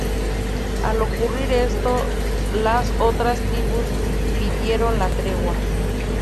Al ocurrir esto, las otras tribus pidieron la tregua.